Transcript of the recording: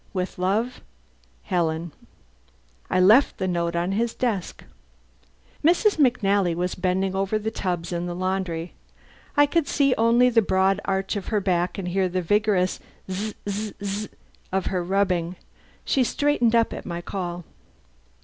With love, HELEN. I left the note on his desk. Mrs. McNally was bending over the tubs in the laundry. I could see only the broad arch of her back and hear the vigorous zzzzzzz of her rubbing. She straightened up at my call.